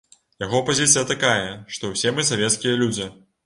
Яго пазіцыя такая, што ўсе мы савецкія людзі.